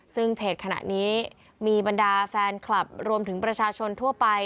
ซึ่งเพจขณะนี้มีบรรดาแฟนคลับรวมถึงประชาชนทั่วไป